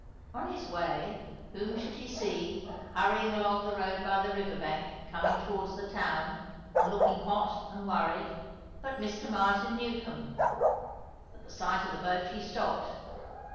On his way, whom should he see, hurrying along the road by the river bank coming towards the town and looking hot and worried, but Mr. Martin Newcombe. At the sight of the boat he stopped.